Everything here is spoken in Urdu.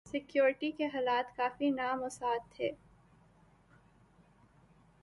سکیورٹی کے حالات کافی نامساعد تھے